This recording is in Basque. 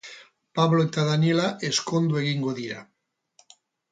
Pablo eta Daniela ezkondu egingo dira.